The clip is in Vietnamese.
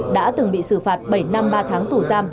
đã từng bị xử phạt bảy năm ba tháng tù giam